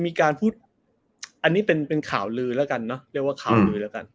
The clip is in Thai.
มีการพูดอันนี้เป็นข่าวลือแล้วกันเนอะเรียกว่าข่าวลือแล้วกัน